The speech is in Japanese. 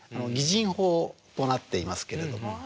擬人法となっていますけれど。